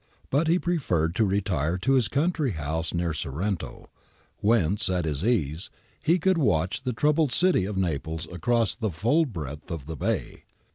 But he pre ferred to retire to his country house near Sorrento, whence at his ease he could w^atch the troubled city of Naples across the full breadth of the Bay.